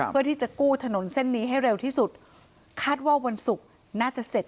เพื่อที่จะกู้ถนนเส้นนี้ให้เร็วที่สุดคาดว่าวันศุกร์น่าจะเสร็จ